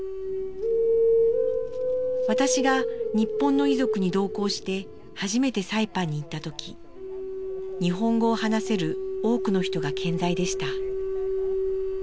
私が日本の遺族に同行して初めてサイパンに行った時日本語を話せる多くの人が健在でした。